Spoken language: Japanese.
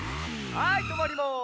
はいとまります。